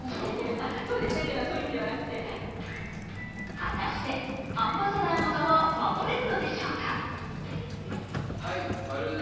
果たして、アンバサダーの座は守れるのでしょうか。